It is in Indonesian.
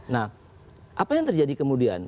nah apa yang terjadi kemudian